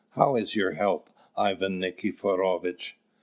How is your health, Ivan Nikiforovitch?"